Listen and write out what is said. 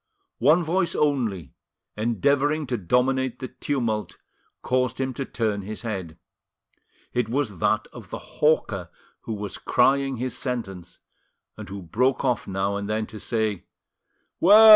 One voice only, endeavouring to dominate the tumult, caused him to turn his head: it was that of the hawker who was crying his sentence, and who broke off now and then to say— "Well!